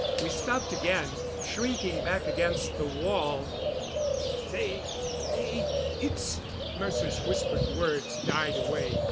We stopped again, shrinking back against the wall. "They they it's " Mercer's whispered words died away.